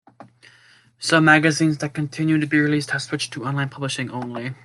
Some magazines that continue to be released have switched to online publishing only.